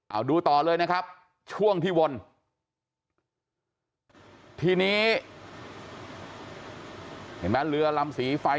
เอาดูต่อเลยนะครับช่วงที่วนทีนี้เห็นไหมเรือลำสีไฟ